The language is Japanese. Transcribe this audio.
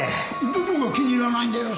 どこが気に入らないんだよ？